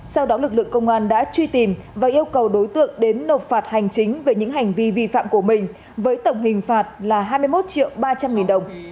sau đó lực lượng công an đã truy tìm và yêu cầu đối tượng đến nộp phạt hành chính về những hành vi vi phạm của mình với tổng hình phạt là hai mươi một triệu ba trăm linh nghìn đồng